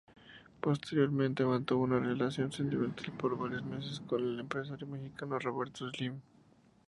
Posteriormente mantuvo una relación sentimental por varios meses con el empresario mexicano Roberto Slim.